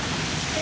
え？